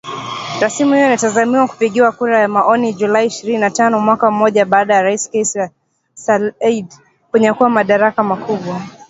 Rasimu hiyo inatazamiwa kupigiwa kura ya maoni Julai ishirini na tano mwaka mmoja baada ya Rais Kais Saied kunyakua madaraka makubwa